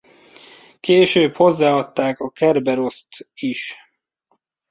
Később hozzáadták a Kerberos-t is.